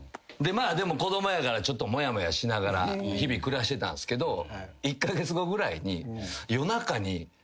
まあでも子供やからちょっともやもやしながら日々暮らしてたんすけど１カ月後ぐらいに。